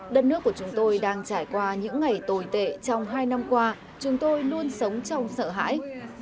đất nước của chúng tôi đang trải qua những ngày tồi tệ trong hai năm qua chúng tôi luôn sống trong sợ hãi